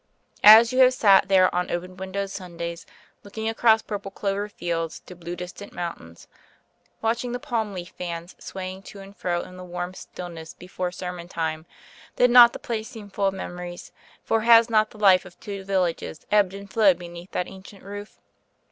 As you have sat there on open windowed Sundays, looking across purple clover fields to blue distant mountains, watching the palm leaf fans swaying to and fro in the warm stillness before sermon time, did not the place seem full of memories, for has not the life of two villages ebbed and flowed beneath that ancient roof?